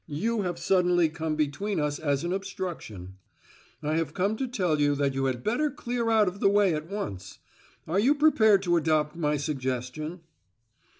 You have suddenly come between us as an obstruction; I have come to tell you that you had better clear out of the way at once. Are you prepared to adopt my suggestion?"